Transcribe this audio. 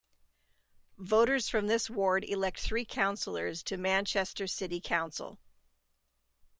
Voters from this ward elect three councillors to Manchester City Council.